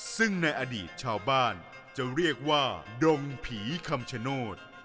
ซึ่งในอดีตชาวบ้านจะเรียกว่าดงผีคำชโนธ